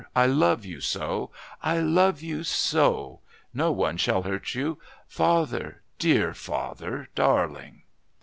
I love you so. I love you so. No one shall hurt you. Father dear, father darling."